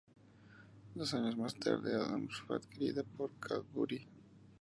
Dos años más tarde, Adams fue adquirida por Cadbury.